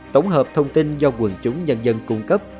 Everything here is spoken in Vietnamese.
tổng hợp thông tin do quần chúng nhân dân cung cấp